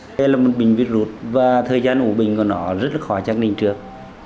đây là một bình vi rụt và thời gian ủ bình của nó rất là khó chắc định trước